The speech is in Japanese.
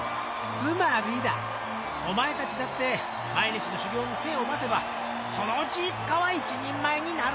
つまりだお前たちだって毎日の修行に精を出せばそのうちいつかは一人前になる。